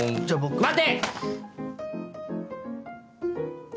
待て！